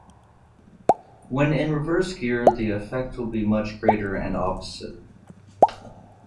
When in reverse gear, the effect will be much greater and opposite.